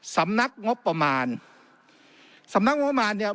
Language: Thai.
สำนักงบประมาณสำนักงบประมาณเนี่ย